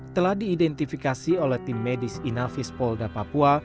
telah diidentifikasi oleh tim medis inafis polda papua